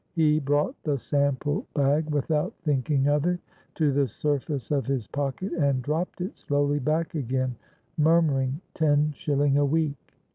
He brought the sample bag, without thinking of it, to the surface of his pocket, and dropped it slowly back again, murmuring, "Ten shilling a week."